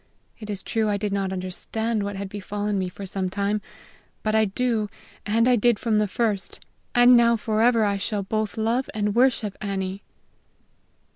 It is true I did not understand what had befallen me for some time; but I do, and I did from the first, and now forever I shall both love and worship Annie!"